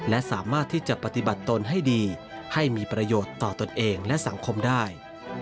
และสามารถที่จะปฏิบัติตนให้ดีให้มีประโยชน์ต่อตนเองและสังคมได้